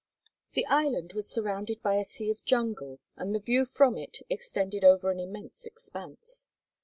The "island" was surrounded by a sea of jungle and the view from it extended over an immense expanse.